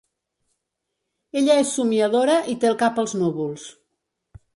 Ella és somiadora i té el cap als núvols.